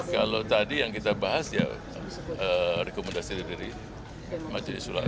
kalau tadi yang kita bahas ya rekomendasi dari majelis ulama